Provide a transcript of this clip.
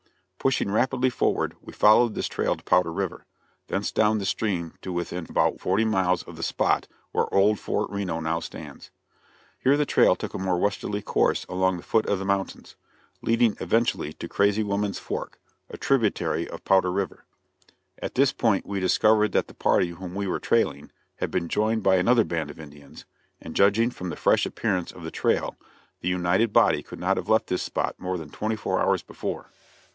Pushing rapidly forward, we followed this trail to Powder River; thence down this stream to within about forty miles of the spot where old Fort Reno now stands. Here the trail took a more westerly course along the foot of the mountains, leading eventually to Crazy Woman's Fork a tributary of Powder River. At this point we discovered that the party whom we were trailing had been joined by another band of Indians, and, judging from the fresh appearance of the trail, the united body could not have left this spot more than twenty four hours before.